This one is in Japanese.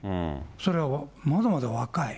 それが、まだまだ若い。